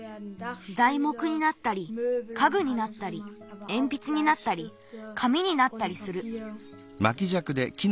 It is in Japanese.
ざいもくになったりかぐになったりえんぴつになったりかみになったりする。